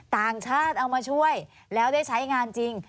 ต่างชาติเอามาช่วยแล้วได้ใช้งานจริง